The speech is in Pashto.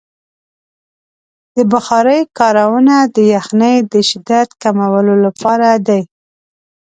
د بخارۍ کارونه د یخنۍ د شدت کمولو لپاره دی.